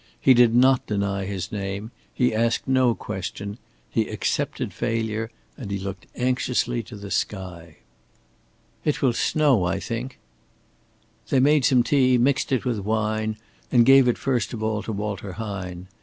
He did not deny his name, he asked no question, he accepted failure and he looked anxiously to the sky. "It will snow, I think." They made some tea, mixed it with wine and gave it first of all to Walter Hine.